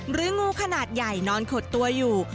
งูขนาดใหญ่นอนขดตัวอยู่